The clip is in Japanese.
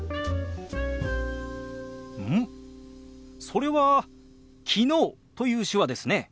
それは「昨日」という手話ですね。